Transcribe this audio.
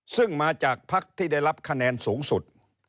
ซึ่งมาจากภักดิ์ที่ได้รับคะแนนสูงสุด